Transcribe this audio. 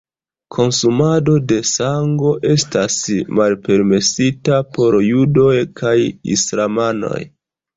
Konsumado de sango estas malpermesita por judoj kaj islamanoj.